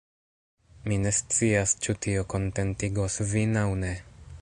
Mi ne scias, ĉu tio kontentigos vin aŭ ne.